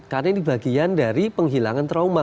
karena ini bagian dari penghilangan trauma